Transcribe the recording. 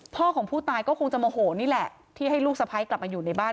ของผู้ตายก็คงจะโมโหนี่แหละที่ให้ลูกสะพ้ายกลับมาอยู่ในบ้าน